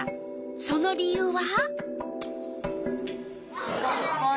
その理由は？